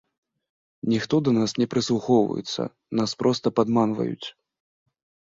Ніхто да нас не прыслухваецца, нас проста падманваюць.